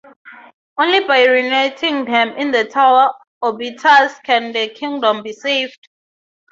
Only by reuniting them in the Tower Obitus can the kingdom be saved.